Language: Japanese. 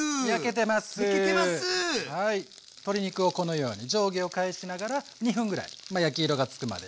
鶏肉をこのように上下を返しながら２分ぐらい焼き色が付くまで。